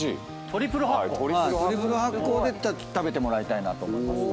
トリプル発酵で食べてもらいたいなと思います。